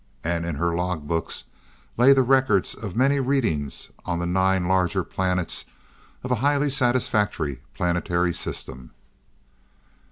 And in her log books lay the records of many readings on the nine larger planets of a highly satisfactory planetary system.